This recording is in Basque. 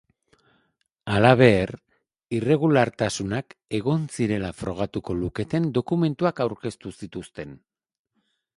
Halaber, irregulartasunak egon zirela frogatuko luketen dokumentuak aurkeztu zituzten.